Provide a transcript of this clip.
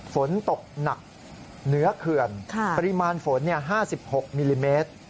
ฝนตกหนักเหนือเขื่อนปริมาณฝน๕๖มิลลิเมตร